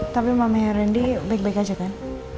tapi mamanya rendy baik baik aja kan